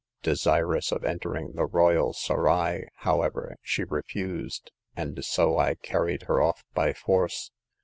Desirous of entering the royal serail, however, she refused, and so I carried her off by force.